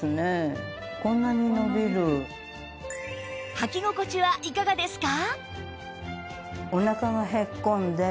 はき心地はいかがですか？